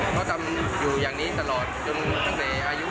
เขาทำอยู่อย่างนี้ตลอดจนตั้งแต่อายุ